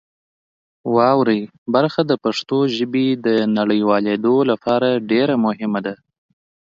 واورئ برخه د پښتو ژبې د نړیوالېدو لپاره ډېر مهمه ده.